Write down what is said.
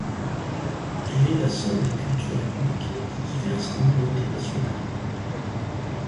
Elle est la somme des cultures ethniques des diverses communautés nationales.